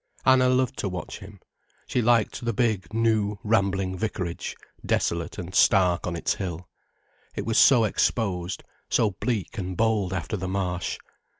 Anna loved to watch him. She liked the big, new, rambling vicarage, desolate and stark on its hill. It was so exposed, so bleak and bold after the Marsh.